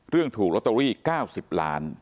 เรื่องถูกโบราตเตอรี่๙๐ล้าน